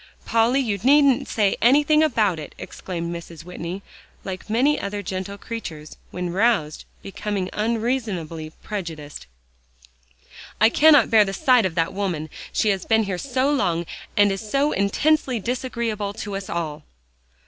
"Polly, you needn't say anything about it," exclaimed Mrs. Whitney, like many other gentle creatures, when roused, becoming unreasonably prejudiced; "I cannot bear the sight of that woman. She has been here so long, and is so intensely disagreeable to us all."